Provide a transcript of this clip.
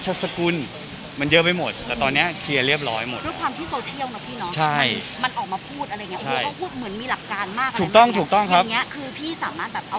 อย่างนี้คือพี่สามารถเอาเรื่องได้ไหม